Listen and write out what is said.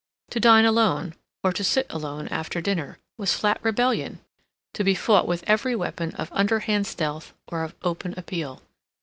To dine alone, or to sit alone after dinner, was flat rebellion, to be fought with every weapon of underhand stealth or of open appeal.